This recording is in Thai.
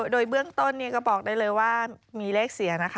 โดยเบื้องต้นก็บอกได้เลยว่ามีเลขเสียนะคะ